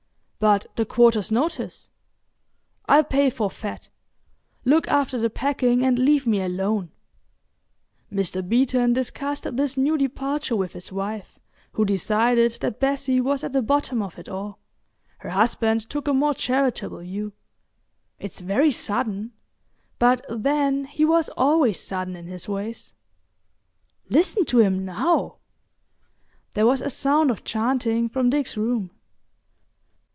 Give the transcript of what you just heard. "But the quarter's notice?" "I'll pay forfeit. Look after the packing and leave me alone." Mr. Beeton discussed this new departure with his wife, who decided that Bessie was at the bottom of it all. Her husband took a more charitable view. "It's very sudden—but then he was always sudden in his ways. Listen to him now!" There was a sound of chanting from Dick's room.